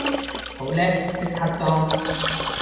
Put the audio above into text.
好叻，即刻裝